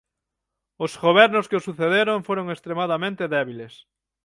Os gobernos que o sucederon foron extremadamente débiles.